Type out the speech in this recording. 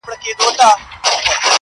د پېړیو پېګويي به یې کوله!.